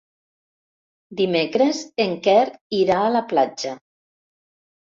Dimecres en Quer irà a la platja.